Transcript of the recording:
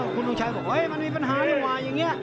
คุณลุงชัยบอกว่ามันมีปัญหาด้วยว่าอย่างนี้